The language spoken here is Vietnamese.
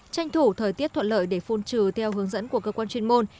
tranh thủ thời tiết thuận lợi để phun trừ theo hướng dẫn của cơ quan chuyên môn